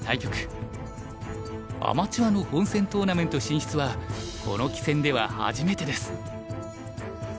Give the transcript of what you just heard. アマチュアの本戦トーナメント進出はこの棋戦では初めてです。